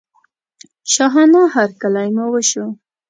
شاهانه هرکلی مو وشو.